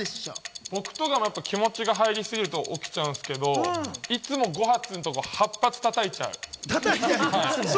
僕とかも気持ちが入り過ぎると起きちゃうんですけれども、いつも５発が８発叩いちゃう。